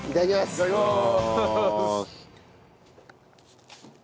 いただきます。